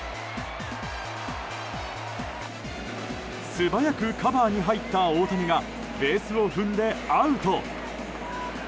素早くカバーに入った大谷がベースを踏んでアウト。